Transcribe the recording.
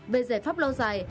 về giải pháp lâu dài